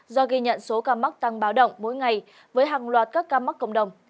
do ghi nhận số ca mắc tăng báo động mỗi ngày với hàng loạt các ca mắc cộng đồng